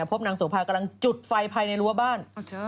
พบนางโสภากำลังจุดไฟภายในรั้วบ้าน